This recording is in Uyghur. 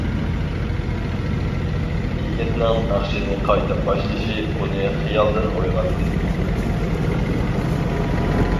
يىگىتنىڭ ناخشىنى قايتا باشلىشى ئۇنى خىيالدىن ئويغاتتى.